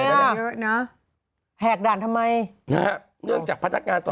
เยอะนะแหกด่านทำไมเนี่ยฮะเนื่องจากพันธการสอบสวนเนี่ย